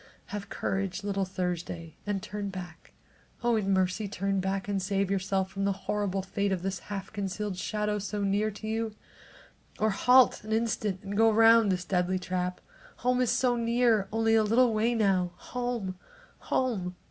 Have courage, little Thursday, and turn back. Oh, in mercy turn back and save yourself from the horrible fate of this half concealed shadow so near to you now! Or, halt an instant and go round this deadly trap. Home is so near, only a little way now. Home! Home!